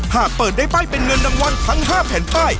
หากเปิดได้ป้ายเป็นเงินรางวัลทั้ง๕แผ่นป้าย